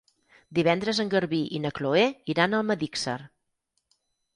Divendres en Garbí i na Chloé iran a Almedíxer.